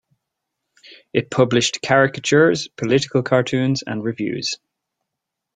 It published caricatures, political cartoons and reviews.